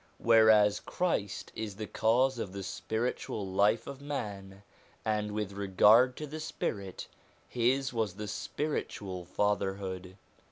Whereas Christ is the cause of the spiritual life of man, and with regard to the spirit, his was the spiritual fatherhood.